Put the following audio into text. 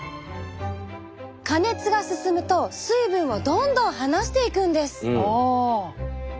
加熱が進むと水分をどんどん離していくんです。